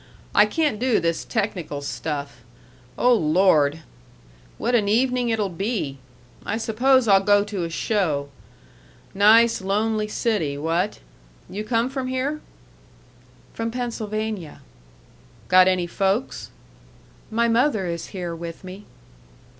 I can't do this technical stuff.... Oh, Lord! what an evening it'll be!... I suppose I'll go to a show. Nice, lonely city, what?... You come from here?" "From Pennsylvania." "Got any folks?" "My mother is here with me."